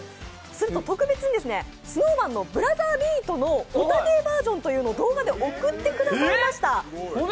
すると特別にＳｎｏｗＭａｎの「ブラザービート」のヲタ芸バージョンを動画で送ってくださいました。